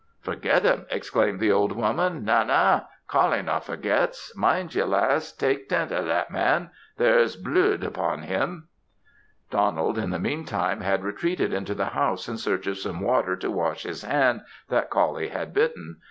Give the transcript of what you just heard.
"Forget him!" exclaimed the old woman; "Na, na; Coullie no forgets. Mind ye lass; tak tent o' that man there's bluid upon him!" Donald in the mean time had retreated into the house in search of some water to wash his hand that Coullie had bitten.